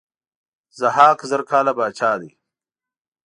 ضحاک زر کاله پاچا دی.